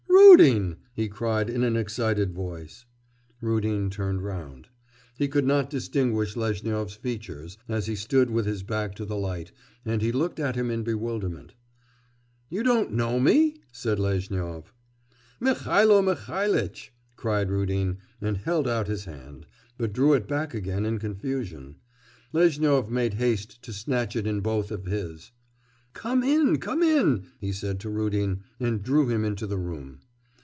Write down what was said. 'Rudin!' he cried in an excited voice. Rudin turned round. He could not distinguish Lezhnyov's features, as he stood with his back to the light, and he looked at him in bewilderment. 'You don't know me?' said Lezhnyov. 'Mihailo Mihailitch!' cried Rudin, and held out his hand, but drew it back again in confusion. Lezhnyov made haste to snatch it in both of his. 'Come, come in!' he said to Rudin, and drew him into the room.